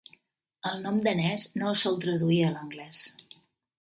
El nom danès no es sol traduir a l'anglès.